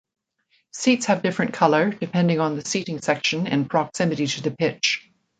Seats have different colour, depending on the seating section and proximity to the pitch.